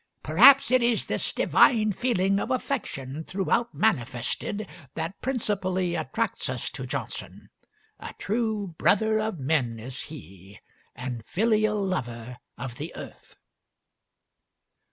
"Perhaps it is this Divine feeling of affection, throughout manifested, that principally attracts us to Johnson. A true brother of men is he, and filial lover of the earth."